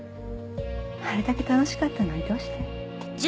あれだけ楽しかったのにどうして？